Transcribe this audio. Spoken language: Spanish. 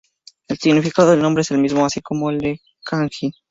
El significado del nombre es el mismo, así como el kanji.